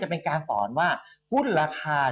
เป็นการสอนว่าหุ้นราคา